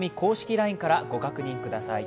ＬＩＮＥからご確認ください。